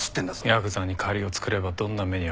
ヤクザに借りを作ればどんな目に遭うか。